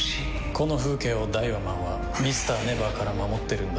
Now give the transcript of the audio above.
この風景をダイワマンはＭｒ．ＮＥＶＥＲから守ってるんだ。